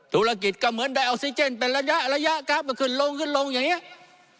ธุรกิจก็เหมือนได้ออกซิเจนเป็นระยะระยะครับก็ขึ้นลงขึ้นลงอย่างนี้